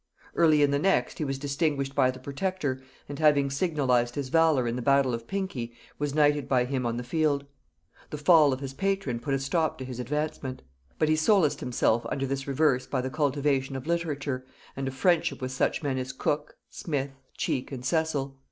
Early in the next he was distinguished by the protector, and, having signalized his valor in the battle of Pinkey, was knighted by him on the field. The fall of his patron put a stop to his advancement; but he solaced himself under this reverse by the cultivation of literature, and of friendship with such men as Cook, Smith, Cheke, and Cecil.